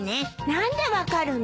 何で分かるの？